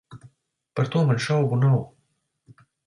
Par to man šaubu nav.